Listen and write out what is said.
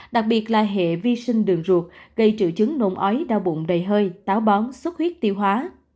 đặc biệt là hệ vi sinh đường ruột gây triệu chứng nôn ói đau bụng đầy hơi táo bón xuất huyết tiêu hóa